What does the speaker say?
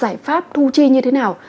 giải pháp thu chi như thế nào